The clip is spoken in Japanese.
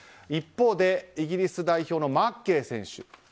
一方でイギリス代表のマッケイ選手。